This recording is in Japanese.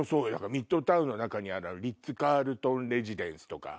ミッドタウンの中にあるリッツ・カールトンレジデンシィズとか。